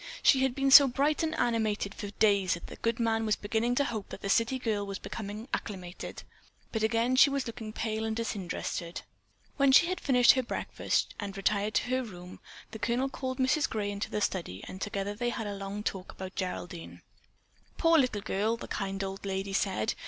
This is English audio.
She had been so bright and animated for days that the good man was beginning to hope that the city girl was becoming acclimated, but again she was looking pale and disinterested. When she had finished her breakfast and had retired to her room, the Colonel called Mrs. Gray into his study and together they had a long talk about Geraldine. "Poor little girl," the kind old lady said.